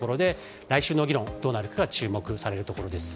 来週の議論が、どうなるかが注目されるところです。